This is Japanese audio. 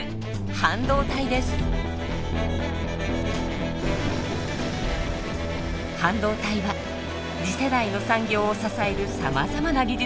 半導体は次世代の産業を支えるさまざまな技術に活用されています。